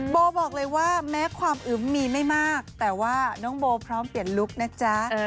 โบบอกเลยว่าแม้ความอึมมีไม่มากแต่ว่าน้องโบพร้อมเปลี่ยนลุคนะจ๊ะ